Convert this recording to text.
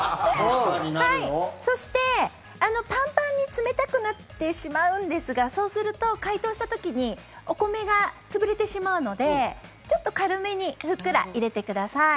そして、パンパンに詰めたくなってしまうんですがそうすると解凍した時にお米が潰れてしまうのでちょっと軽めにふっくら入れてください。